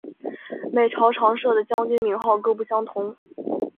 每朝常设的将军名号各不相同。